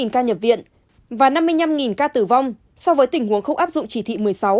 bảy trăm bốn mươi ca nhập viện và năm mươi năm ca tử vong so với tình huống không áp dụng chỉ thị một mươi sáu